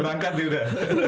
berangkat dia udah